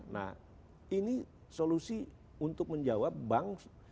nah ini solusi untuk menjawab bank